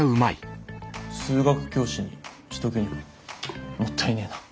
数学教師にしとくにはもったいねえな。